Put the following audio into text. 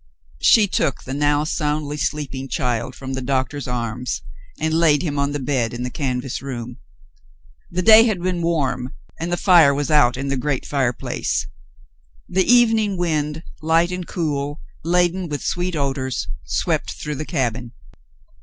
She took the now soundly sleeping child from the doctor's arms and laid him on the bed in the canvas room. The day had been warm, and the fire was out in the great fireplace; the evening wind, light and cool, laden with sweet odors, swept through the cabin.